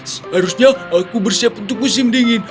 seharusnya aku bersiap untuk musim dingin